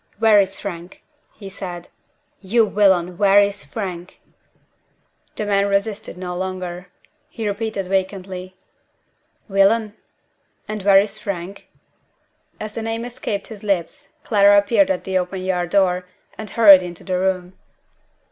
"Where is Frank?" he said. "You villain, where is Frank?" The man resisted no longer. He repeated vacantly, "Villain? and where is Frank?" As the name escaped his lips, Clara appeared at the open yard door, and hurried into the room.